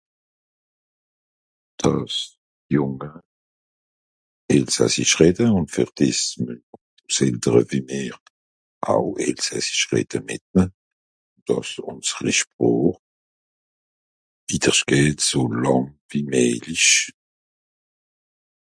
Dàss d'Junge Elsassisch redde un fer dìs müen s Eltere wie mìr au Elsassisch redde mìt ne, dàss ùnseri Sprooch wiedersch geht so làng wie méjlich.